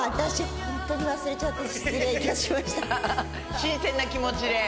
新鮮な気持ちで。